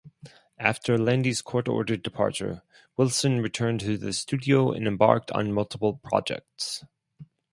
After Landy's court-ordered departure, Wilson returned to the studio and embarked on multiple projects.